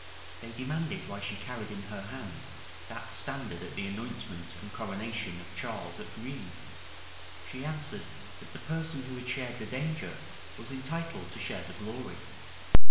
They demanded, why she carried in her hand that standard at the anointment and coronation of Charles at Rheims: she answered, that the person who had shared the danger was entitled to share the glory.